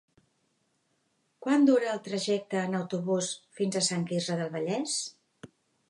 Quant dura el trajecte en autobús fins a Sant Quirze del Vallès?